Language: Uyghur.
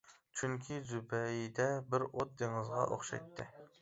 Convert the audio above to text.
چۈنكى، زۇبەيدە بىر ئوت دېڭىزىغا ئوخشايتتى.